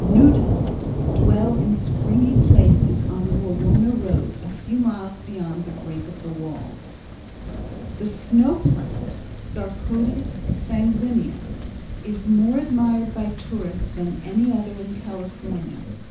nudus_, dwell in springy places on the Wawona road a few miles beyond the brink of the walls. The snow plant (Sarcodes sanguinea) is more admired by tourists than any other in California.